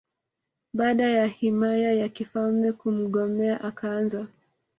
baada ya himaya ya kifalme kumgomea akaanza